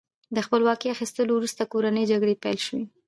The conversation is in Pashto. د خپلواکۍ اخیستلو وروسته کورنۍ جګړې پیل شوې.